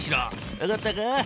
わかったか？